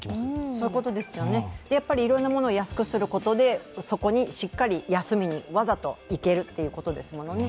そういうことですよね、いろんなものを安くすることでそこにしっかり休みに、わざと行けるということですものね。